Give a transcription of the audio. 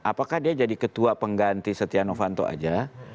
apakah dia jadi ketua pengganti setia novanto aja